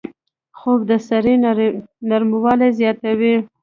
خوب د سړي نرموالی زیاتوي